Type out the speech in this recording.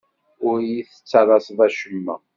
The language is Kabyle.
Ur yi-tettalaseḍ acemma.